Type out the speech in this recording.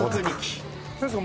何ですか？